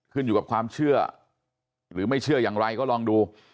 ขึ้นอยู่กับความเชื่อหรือไม่เชื่ออย่างไรก็ลองดู